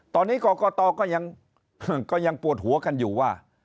ตอนนี้กรกตก็ยังปวดหัวกันอยู่ว่า